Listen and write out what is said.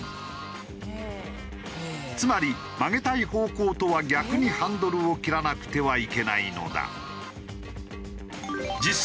つまり曲げたい方向とは逆にハンドルを切らなくてはいけないのだ。